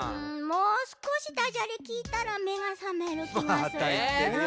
もうすこしダジャレきいたらめがさめるきがするな。